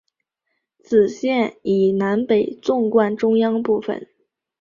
此线以南北纵贯中央部分。